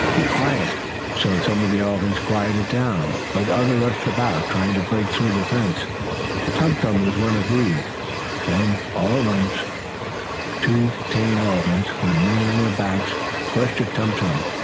Be quiet!" Some of the elephants quieted down, but others rushed about, trying to break through the fence. Tum Tum was one of these. Then, all at once two tame elephants, with men on their backs, rushed at Tum Tum.